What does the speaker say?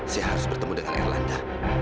saya harus bertemu dengan erlanda